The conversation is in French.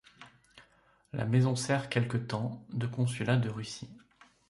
La maison sert quelque temps de consulat de Russie.